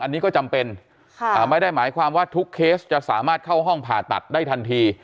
อันนี้ก็จำเป็นไม่ได้หมายความว่าทุกเคสจะสามารถเข้าห้องผ่าตัดได้ทันที